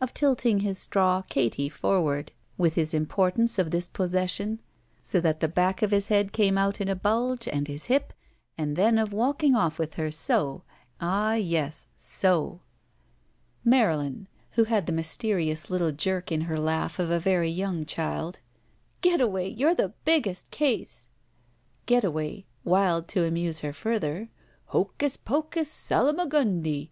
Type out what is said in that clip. Of tilting his straw "katy forward, with his importance of this pos session, so that the back of his head came out in a bulge and his hip, and then of walking ofE with her, so! Ah yes, so! Marylin (who had the mysterious little jerk in her laugh of a very young child) :'* Getaway, you're the biggest case!" Getaway {wild to amuse her further): Hocus pocus, Salamagundi !